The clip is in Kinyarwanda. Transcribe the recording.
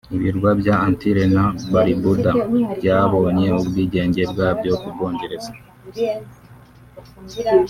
Ibirwa bya Antille na Barbuda byabonye ubwigenge bwabyo ku Bwongereza